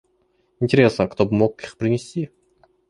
Интересно, кто бы мог их принести?